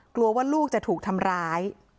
กลัวว่าลูกจะถูกทำร้าย